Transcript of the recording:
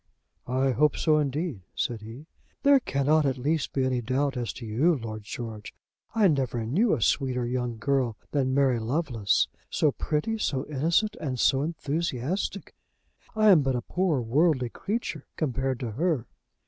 "I hope so, indeed," said he. "There cannot, at least, be any doubt as to you, Lord George. I never knew a sweeter young girl than Mary Lovelace; so pretty, so innocent, and so enthusiastic. I am but a poor worldly creature compared to her."